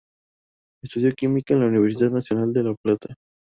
Estudió química en la Universidad Nacional de La Plata.